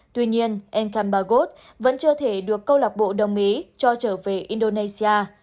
tuy nhiên ekambagot vẫn chưa thể được cơ lọc bộ đồng ý cho trở về indonesia